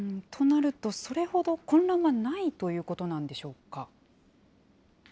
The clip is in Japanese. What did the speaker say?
となると、それほど混乱はないということなんでしょうか。